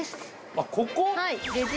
あっここ？